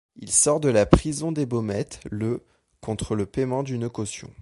Il sort de la prison des Baumettes le contre le paiement d'une caution.